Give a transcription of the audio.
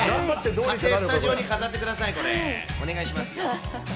買って、スタジオに飾ってください、これ、お願いしますよ。